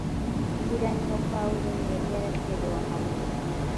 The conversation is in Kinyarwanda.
I Lusitira niho Pawulo yari yaraterewe amabuye